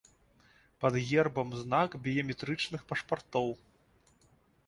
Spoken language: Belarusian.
Пад гербам знак біяметрычных пашпартоў.